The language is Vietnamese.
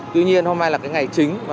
tuy nhiên hôm nay là ngày chính